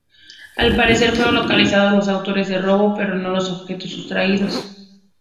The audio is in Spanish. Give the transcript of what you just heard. Al parecer fueron localizados los autores del robo, pero no los objetos sustraídos.